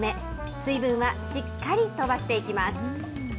水分はしっかり飛ばしていきます。